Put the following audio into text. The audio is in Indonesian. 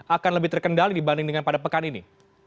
akan lebih terkendali dibanding dengan pada pekan ini